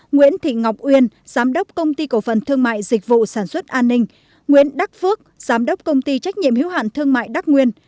nguyễn thị ngọc uyên giám đốc công ty cổ phần thương mại dịch vụ sản xuất an ninh nguyễn đắc phước giám đốc công ty trách nhiệm hiếu hạn thương mại đắc nguyên